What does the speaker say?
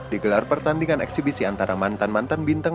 digelar pertandingan eksibisi antara mantan mantan bintang